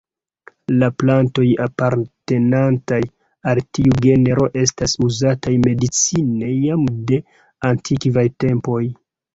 La plantoj apartenantaj al tiu genro estas uzataj medicine jam de antikvaj tempoj.